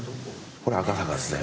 これ赤坂ですね。